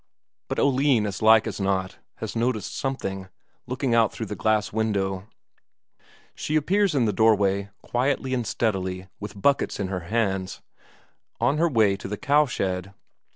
But Oline as like as not has noticed something, looking out through the glass window; she appears in the doorway, quietly and steadily, with buckets in her hands, on her way to the cowshed.